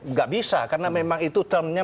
nggak bisa karena memang itu termnya